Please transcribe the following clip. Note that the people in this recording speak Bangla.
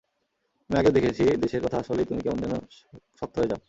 আমি আগেও দেখেছি দেশের কথা আসলেই তুমি কেমন যেন শক্ত হয়ে যাও।